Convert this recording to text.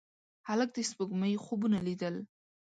هلک د سپوږمۍ خوبونه لیدل.